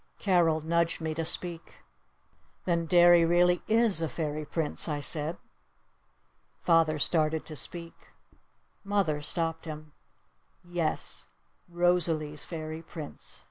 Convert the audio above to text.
Carol nudged me to speak. "Then Derry really is a Fairy Prince?" I said. Father started to speak. Mother stopped him. "Yes! Rosalee's Fairy Prince!"